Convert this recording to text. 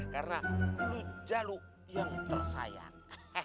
karena lu jaluk yang tersayang